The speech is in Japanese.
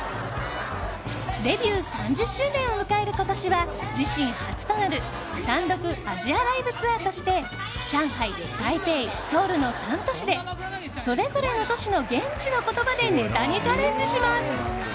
デビュー３０周年を迎える今年は自身初となる単独アジアライブツアーとして上海、台北、ソウルの３都市でそれぞれの都市の現地の言葉でネタにチャレンジします。